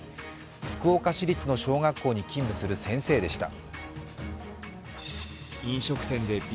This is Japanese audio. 福岡市立の小学校に勤務する先生でした。